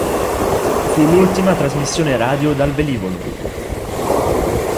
Fu l'ultima trasmissione radio dal velivolo.